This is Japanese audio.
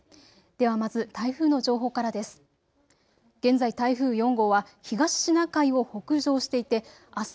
ではまず台風の情報からです。